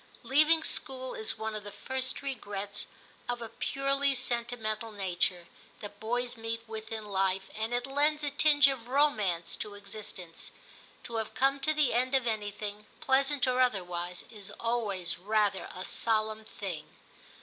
Leaving school is one of the first regrets of a purely sentimental nature, that boys meet with in life, and it lends a tinge of romance to existence. To have come to the end of anything, pleasant or otherwise, is always rather a solemn thing.